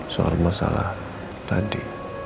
soal masalah tadi